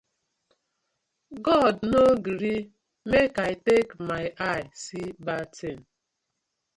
God no gree mek I take my eye see bad tin.